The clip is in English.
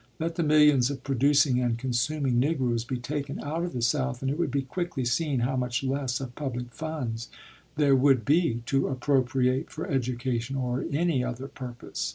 Let the millions of producing and consuming Negroes be taken out of the South, and it would be quickly seen how much less of public funds there would be to appropriate for education or any other purpose.